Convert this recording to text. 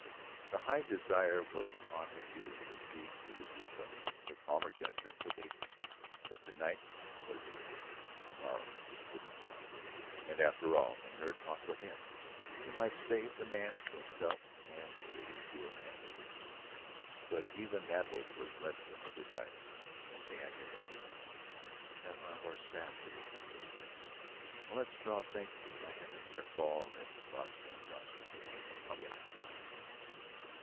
The high desire was upon her to accede to his request; her calmer judgment forbade it. But to night was to night; to morrow would be to morrow. And, after all, in her talk with him, she might save the man to himself and to his truer manhood. But even that hope was less than her desire when she answered him. "Have my horse saddled," she said. "I'll let Struve think I have to make a call at Las Estrellas. I'll be out in five minutes."